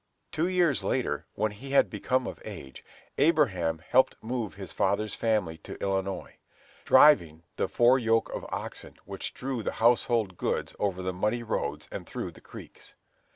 Two years later, when he had become of age, Abraham helped move his father's family to Illinois, driving the four yoke of oxen which drew the household goods over the muddy roads and through the creeks.